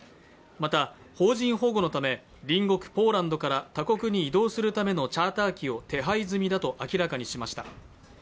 また、邦人保護のため隣国ポーランドから他国に移動するためのチャーター機を手配済みだと明らかにしました。